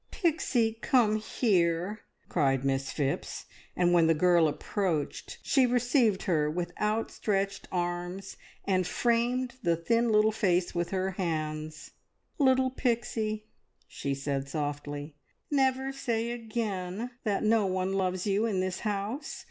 "Pixie, come here!" cried Miss Phipps; and when the girl approached she received her with outstretched arms and framed the thin little face with her hands. "Little Pixie," she said softly, "never say again that no one loves you in this house.